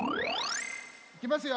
いきますよ！